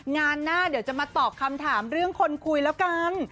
งานหน้าเดี๋ยวจะมาตอบคำถามเรื่องคนคุยแล้วกัน